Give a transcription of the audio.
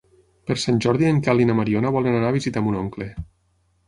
Per Sant Jordi en Quel i na Mariona volen anar a visitar mon oncle.